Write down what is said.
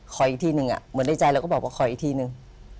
ขออีกทีหนึ่งเหมือนในใจเราก็บอกว่าขออีกทีนึง